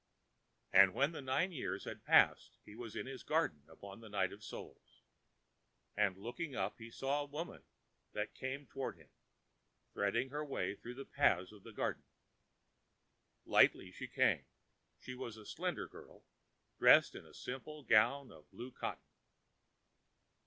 ã And when the nine years were past he was in his garden upon the Night of Souls. And looking up he saw a woman that came towards him, threading her way through the paths of the garden. Lightly she came; she was a slender girl, dressed in a simple gown of blue cotton.